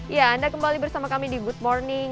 ya anda kembali bersama kami di good morning